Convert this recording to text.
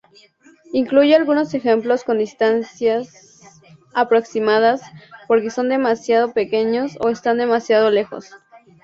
Incluye algunos ejemplos con distancias aproximadas porque son demasiado pequeños o están demasiado alejados.